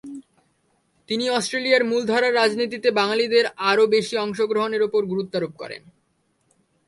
তিনি অস্ট্রেলিয়ার মূলধারার রাজনীতিতে বাঙালিদের আরও বেশি অংশগ্রহণের ওপর গুরুত্বারোপ করেন।